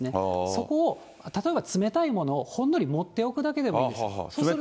そこを、例えば冷たいものをほんのり持っておくだけでも、そうすると。